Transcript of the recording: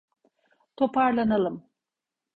Toparlanalım.